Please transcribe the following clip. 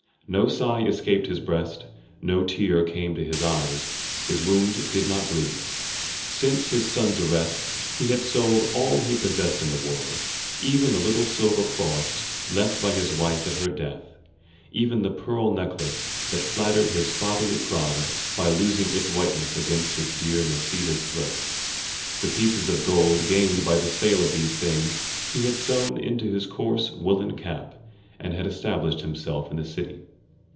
No sigh escaped his breast; no tear came to his eyes; his wound did not bleed. Since his son's arrest he had sold all he possessed in the world, even the little silver cross left by his wife at her death, even the pearl necklace that flattered his fatherly pride by losing its whiteness against his dear Nisida's throat; the pieces of gold gained by the sale of these things he had sewn into his coarse woollen cap, and had established himself in the city.